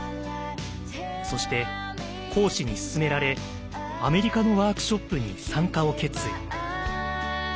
そして講師に勧められアメリカのワークショップに参加を決意。